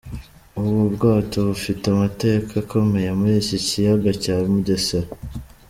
Ubu bwato bufite amateka akomeye muri iki kiyaga cya Mugesera.